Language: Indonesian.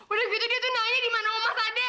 udah gitu dia tuh nanya di mana omah sade